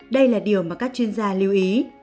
đây là điều mà các chuyên gia lưu ý